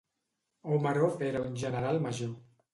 Omarov era un general major.